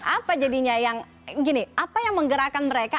apa jadinya yang gini apa yang menggerakkan mereka